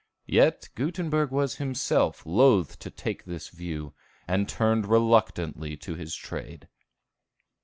Yet Gutenberg was himself loath to take this view, and turned reluctantly to his trade.